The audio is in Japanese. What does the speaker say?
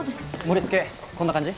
盛りつけこんな感じ？